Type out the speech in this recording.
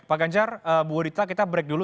pak ganjar bu adita kita break dulu